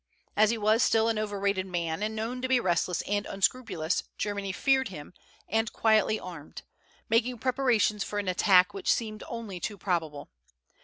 As he was still an overrated man, and known to be restless and unscrupulous, Germany feared him, and quietly armed, making preparations for an attack which seemed only too probable.